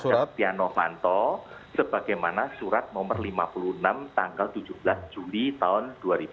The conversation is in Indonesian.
terhadap setia novanto sebagaimana surat nomor lima puluh enam tanggal tujuh belas juli tahun dua ribu dua puluh